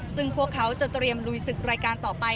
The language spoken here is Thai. ซึ่งพวกเขาจะเตรียมลุยศึกรายการต่อไป